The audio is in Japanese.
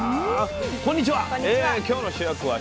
こんにちは。